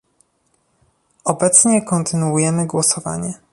Obecnie kontynuujemy głosowanie